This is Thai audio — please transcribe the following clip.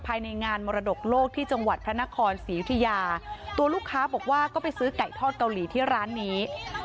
ภายในงานมรดกโลกที่จังหวัดพระนครศรียุธิยาตัวลูกค้าบอกว่าก็ไปซื้อไก่ทอดเกาหลีที่ร้านนี้